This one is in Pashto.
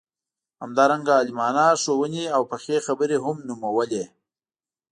همدارنګه عالمانه ښووني او پخې خبرې هم نومولې.